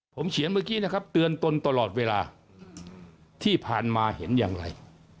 ผมเขียนเมื่อกี้นะครับเตือนตนตลอดเวลาที่ผ่านมาเห็นอย่างไร